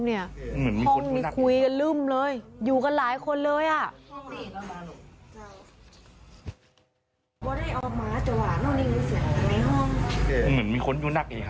ห้องนี้คุยกันลึ่มเลยอยู่กันหลายคนเลยอ่ะ